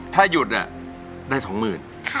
ถ้าหยุดได้๒๐๐๐บาท